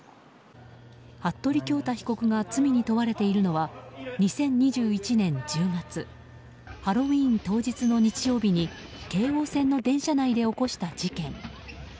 服部恭太被告が罪に問われているのは２０２１年１０月ハロウィーン当日の日曜日に京王線の電車内で起こした事件。